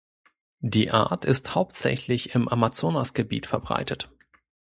Die Art ist hauptsächlich im Amazonasgebiet verbreitet.